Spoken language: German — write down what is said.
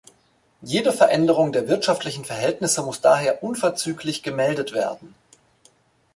Jede Veränderung der wirtschaftlichen Verhältnisse muss daher unverzüglich gemeldet werden.